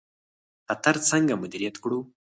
خطر څنګه مدیریت کړو؟